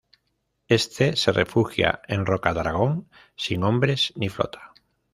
Éste se refugia en Rocadragón, sin hombres ni flota.